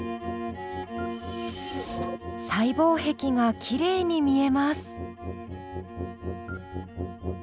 細胞壁がきれいに見えます。